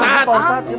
kita sanggup pak ustadz